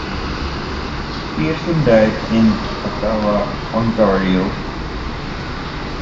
Pearson died in Ottawa, Ontario.